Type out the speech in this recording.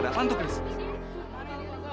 rasanya aku pun gak enak ya